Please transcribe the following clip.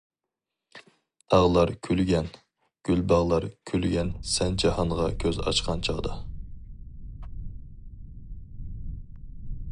تاغلار كۈلگەن، گۈلباغلار كۈلگەن سەن جاھانغا كۆز ئاچقان چاغدا.